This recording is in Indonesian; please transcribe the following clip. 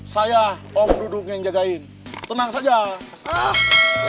saya om duduk yang jagain tenang saja